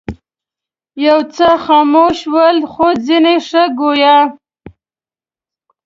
یو څه خموش ول خو ځینې ښه ګویا.